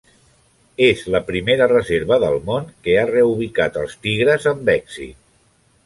És la primera reserva del món que ha reubicat els tigres amb èxit.